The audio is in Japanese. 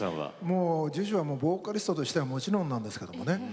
もうＪＵＪＵはボーカリストとしてはもちろんなんですけれどもね